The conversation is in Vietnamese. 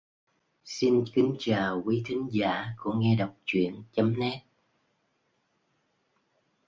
Xin kính chào qúy thính giả của nghe đọc truyện chấm net